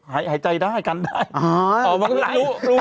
หายใจด้วยกันได้อ๋อรู้รู้รู้ได้เฉยไม่ได้